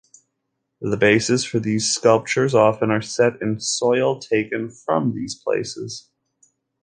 The bases for these sculptures often are set in soil taken from these places.